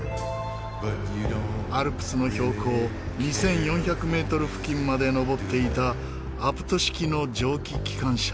アルプスの標高２４００メートル付近まで登っていたアプト式の蒸気機関車。